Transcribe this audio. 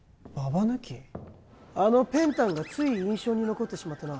あのペンタンがつい印象に残ってしまってな